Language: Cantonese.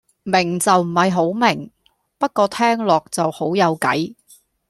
明就唔係好明，不過聽落就好有計